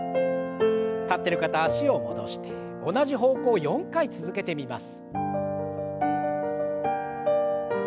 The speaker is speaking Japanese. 立ってる方脚を戻して同じ方向を４回続けてみます。